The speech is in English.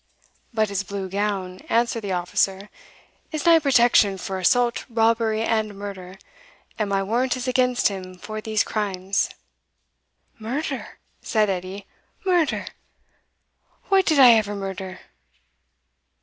"But his blue gown," answered the officer, "is nae protection for assault, robbery, and murder; and my warrant is against him for these crimes." "Murder!" said Edie, "murder! wha did I e'er murder?"